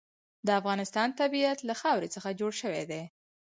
د افغانستان طبیعت له خاوره څخه جوړ شوی دی.